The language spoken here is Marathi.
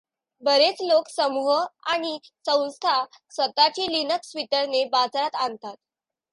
बरेच लोक, समूह आणि संस्था स्वतःची लिनक्स वितरणे बाजारात आणतात.